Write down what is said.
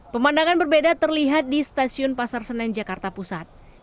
pemandangan berbeda terlihat di stasiun pasar senen jakarta pusat